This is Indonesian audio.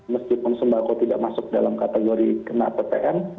meskipun sembako tidak masuk dalam kategori kena ptm